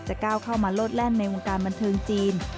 ก้าวเข้ามาโลดแล่นในวงการบันเทิงจีน